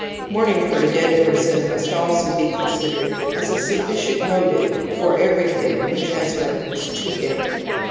Mourning for a dead person must also be i considered as a sufficient motive for everything which has reference to him.